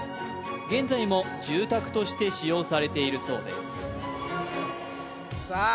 現在も住宅として使用されているそうですさあ